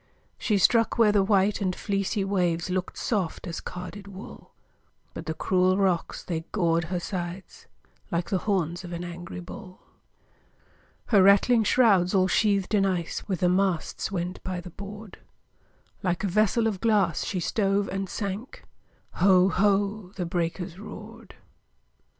She struck where the white and fleecy waves Look'd soft as carded wool, But the cruel rocks, they gored her sides Like the horns of an angry bull. Her rattling shrouds, all sheathed in ice, With the masts went by the board; Like a vessel of glass, she stove and sank, Ho! ho! the breakers roared!